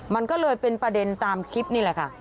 มันก็เลยเป็นประเด็นตามคลิปนี่แหละค่ะ